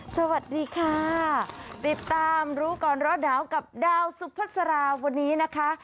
สวัสดีค่ะติดตามรู้ก่อนร้อนหนาวกับดาวสุภาษาราวันนี้นะคะ